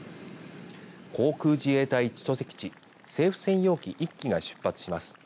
航空自衛隊千歳基地政府専用機１機が出発します。